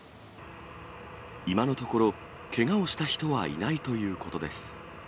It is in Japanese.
今のところ、けがをした人はいないということです。